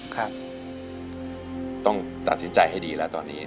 ครับต้องตัดสินใจให้ดีแล้วตอนนี้